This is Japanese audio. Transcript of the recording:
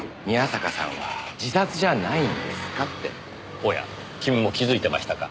おや君も気づいてましたか。